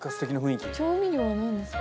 調味料は何ですか？